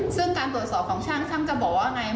ซึ่งการตรวจสอบของช่างช่างจะบอกว่าไง